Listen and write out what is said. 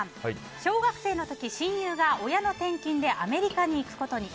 小学生の時、親友が親の転勤でアメリカに行くことに。